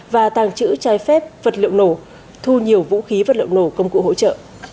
và tàng trữ trái phép vật liệu nổ thu nhiều vũ khí vật liệu nổ công cụ hỗ trợ